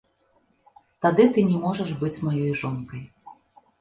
Тады ты не можаш быць маёй жонкай.